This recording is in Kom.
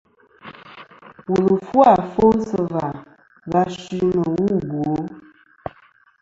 Wùl fu afo sɨ̀ và va suy nɨ̀ wu ɨ bwo.